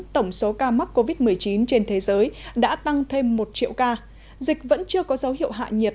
tổng số ca mắc covid một mươi chín trên thế giới đã tăng thêm một triệu ca dịch vẫn chưa có dấu hiệu hạ nhiệt